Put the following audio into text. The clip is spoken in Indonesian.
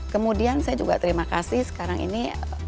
kemudian saya juga terima kasih sekarang ini